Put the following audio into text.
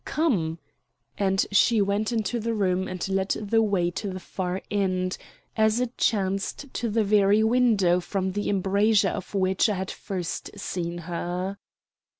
Come;" and she went into the room and led the way to the far end, as it chanced to the very window from the embrasure of which I had first seen her.